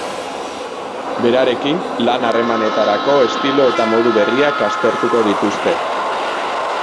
Berarekin, lan harremanetarako estilo eta modu berriak aztertuko dituzte.